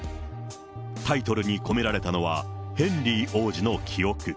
タイトルに込められたのは、ヘンリー王子の記憶。